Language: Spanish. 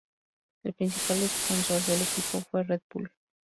El principal sponsor del equipo fue Red Bull.